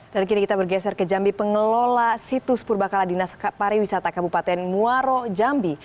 dan kini kita bergeser ke jambi pengelola situs purbakala dinas pariwisata kabupaten muaro jambi